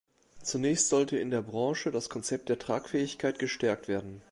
Zunächst sollte in der Branche das Konzept der Tragfähigkeit gestärkt werden.